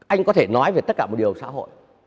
anh có thể nói về tất cả một điều xã hội